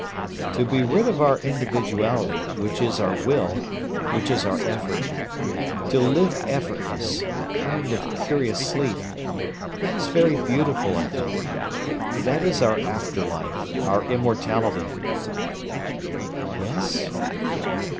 "To be rid of our individuality, which is our will, which is our effort—to live effortless, a kind of curious sleep—that is very beautiful, I think; that is our after life—our immortality." "Yes?"